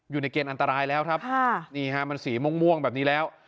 อยู่ในเกณฑ์อันตรายแล้วครับนี่ฮะมันสีม่วงแบบนี้แล้ว